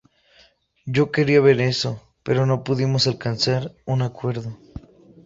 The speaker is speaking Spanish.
Yo quería ver eso, pero no pudimos alcanzar un acuerdo.